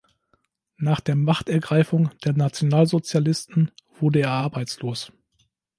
Nach der Machtergreifung der Nationalsozialisten wurde er arbeitslos.